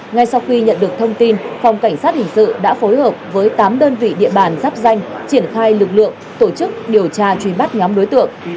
ngay sau khi nhận được thông tin phòng cảnh sát hình sự đã phối hợp với tám đơn vị địa bàn giáp danh triển khai lực lượng tổ chức điều tra truy bắt nhóm đối tượng